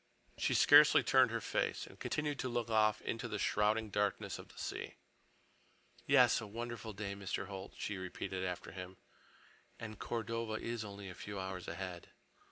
She scarcely turned her face and continued to look off into the shrouding darkness of the sea. "Yes, a wonderful day, Mr. Holt," she repeated after him, "and Cordova is only a few hours ahead."